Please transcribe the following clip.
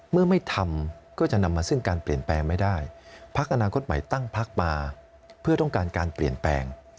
เมื่อไม่ทำก็จะนำมาซึ่งการเปลี่ยนแปลงไม่ได้พักอนาคตใหม่ตั้งพักมาเพื่อต้องการการเปลี่ยนแปลง